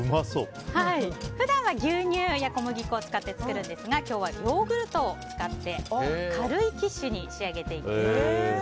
普段は牛乳や小麦粉を使って作るんですが今日はヨーグルトを使って軽いキッシュに仕上げていきます。